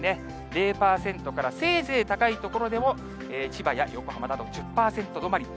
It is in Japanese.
０％から、せいぜい高い所でも千葉や横浜など１０％止まり。